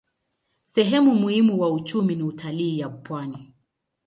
Sehemu muhimu wa uchumi ni utalii ya pwani.